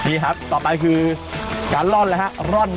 นี่ครับต่อไปคือการร่อนแล้วครับ